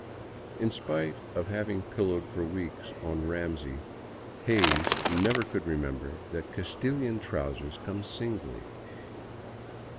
In spite of having pillowed for weeks on Ramsey, Hays never could remember that Castilian trousers come singly.